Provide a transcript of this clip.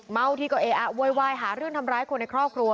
ทีก็เออะโวยวายหาเรื่องทำร้ายคนในครอบครัว